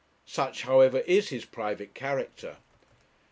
Such, however, is his private character.